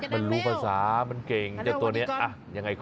โมนดูดิดูจังเลยลูก